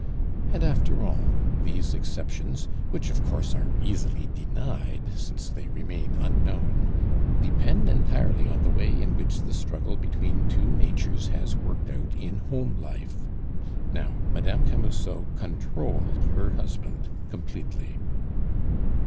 And, after all, these exceptions, which, of course, are easily denied, since they remain unknown, depend entirely on the way in which the struggle between two natures has worked out in home life. Now, Madame Camusot controlled her husband completely.